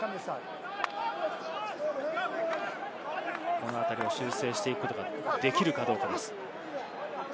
このあたりを修正していくことができるかどうか。